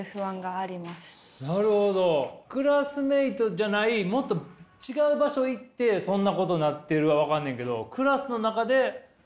クラスメイトじゃないもっと違う場所行ってそんなことなってるは分かんねんけどクラスの中で慎重になってるんだ？